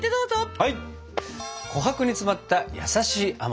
はい！